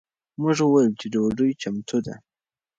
مور وویل چې ډوډۍ چمتو ده.